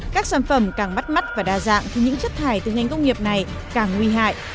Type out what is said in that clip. các sản phẩm càng bắt mắt và đa dạng thì những chất thải từ ngành công nghiệp này càng nguy hại